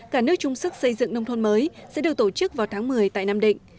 cả nước chung sức xây dựng nông thôn mới sẽ được tổ chức vào tháng một mươi tại nam định